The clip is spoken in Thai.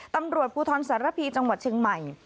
ตำรวจภูทรสารพีจังหวัดเชียงใหม่